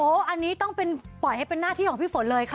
อันนี้ต้องเป็นปล่อยให้เป็นหน้าที่ของพี่ฝนเลยค่ะ